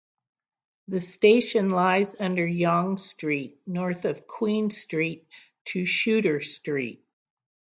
The station lies under Yonge Street north of Queen Street to Shuter Street.